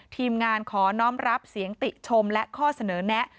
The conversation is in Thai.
ทีมงานขอน้องรับเสียงติชมและข้อเสนอแนะ